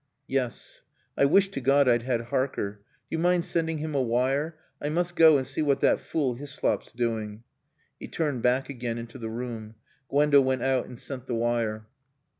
"Yes. I wish to God I'd had Harker. Do you mind sending him a wire? I must go and see what that fool Hyslop's doing." He turned back again into the room. Gwenda went out and sent the wire.